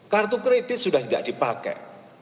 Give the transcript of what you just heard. kartu kredit sudah tidak dipakai